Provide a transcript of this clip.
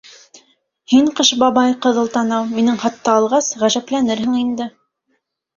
Һин, Ҡыш бабай — ҡыҙыл танау, минең хатты алғас, ғәжәпләнерһең инде.